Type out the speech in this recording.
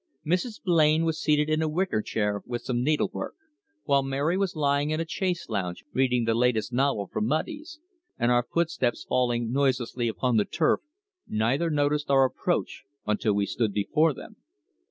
Mrs. Blain was seated in a wicker chair with some needlework, while Mary was lying in a chaise longue reading the latest novel from Mudie's, and our footsteps falling noiselessly upon the turf, neither noticed our approach until we stood before them.